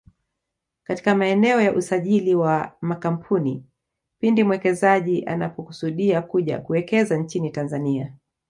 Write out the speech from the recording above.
katika maeneo ya usajili wa makampuni pindi mwekezaji anapokusudia kuja kuwekeza nchini Tanzania